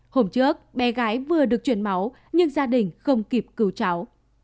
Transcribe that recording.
hôm trước bé gái vừa được chuyển máu nhưng gia đình không kịp cứu cháu